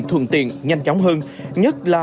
thuận tiện nhanh chóng hơn nhất là